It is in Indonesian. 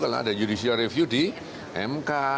karena ada judicial review di mk